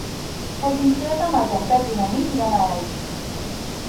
El vint-i-tres de maig en Pep i na Nit iran a Elx.